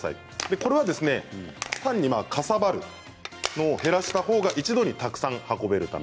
これは単にかさばるのを減らしたほうが一度にたくさん運べるため。